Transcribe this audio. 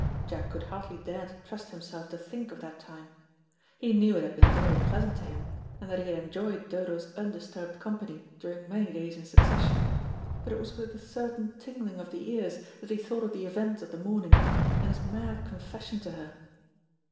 Jack could hardly dare to trust himself to think of that time. He knew it had been very pleasant to him, and that he had enjoyed Dodo's undisturbed company during many days in succession, but it was with a certain tingling of the ears that he thought of the events of the morning, and his mad confession to her.